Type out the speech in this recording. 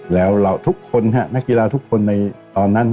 แล้วเราทุกคนนักกีฬาทุกคนในตอนนั้น